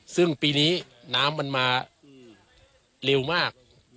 ซึ่งปีนี้น้ำมันมาเร็วมาก